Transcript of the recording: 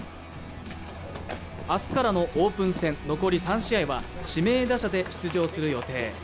明日からのオープン戦残り３試合は指名打者で出場する予定。